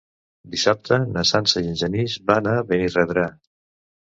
Dissabte na Sança i en Genís van a Benirredrà.